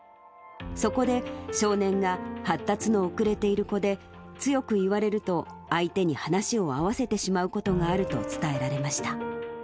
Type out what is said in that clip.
そこで少年が発達の遅れている子で、強く言われると相手に話を合わせてしまうことがあると伝えられました。